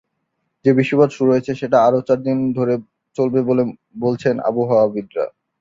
যে বৃষ্টিপাত শুরু হয়েছে, সেটা আরও চারদিন ধরে চলবে বলে বলছেন আবহাওয়াবিদরা।